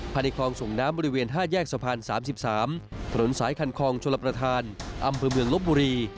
ภายในคลองส่งน้ำบริเวณ๕แยกสะพาน๓๓ถนนสายคันคลองชลประธานอำเภอเมืองลบบุรี